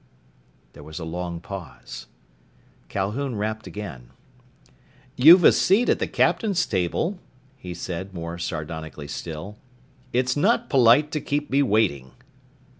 There was a long pause. Calhoun rapped again. "You've a seat at the captain's table," he said more sardonically still. "It's not polite to keep me waiting!"